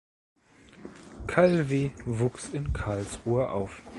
Calvi wuchs in Karlsruhe auf.